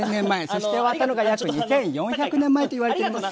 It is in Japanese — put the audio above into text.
そして終わったのが約２４００年前といわれています。